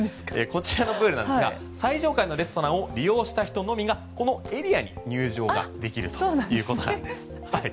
こちらのプールなんですが最上階のレストランを利用した人のみがこのエリアに入場ができるということなんです。